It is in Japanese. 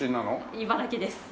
茨城です。